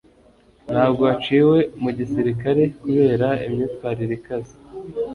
ntabwo waciwe mu gisirikare kubera imyitwarire ikaze